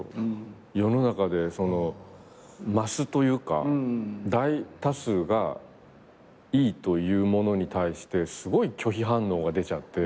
世の中でマスというか大多数がいいというものに対してすごい拒否反応が出ちゃって。